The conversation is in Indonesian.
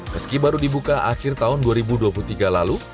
meski baru dibuka akhir tahun dua ribu dua puluh tiga lalu